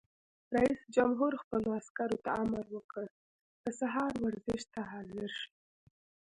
رئیس جمهور خپلو عسکرو ته امر وکړ؛ د سهار ورزش ته حاضر شئ!